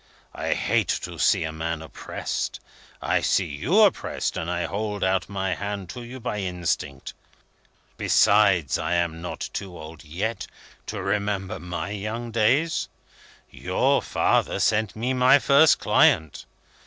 "I hate to see a man oppressed. I see you oppressed, and I hold out my hand to you by instinct. Besides, I am not too old yet, to remember my young days. Your father sent me my first client.